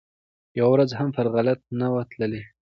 یوه ورځ هم پر غلطه نه وو تللی